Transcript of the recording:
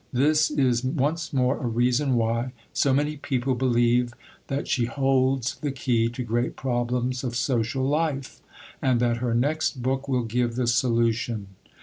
This is once more a reason why so many people believe that she holds the key to great problems of social life, and that her next book will give the solution.